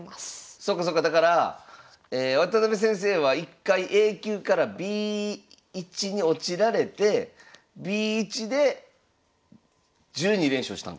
そっかそっかだから渡辺先生は１回Ａ級からＢ１に落ちられてＢ１で１２連勝したんか。